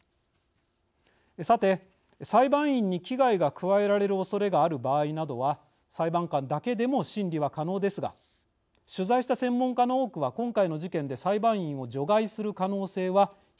さて裁判員に危害が加えられるおそれがある場合などは裁判官だけでも審理は可能ですが取材した専門家の多くは今回の事件で裁判員を除外する可能性は低いと話します。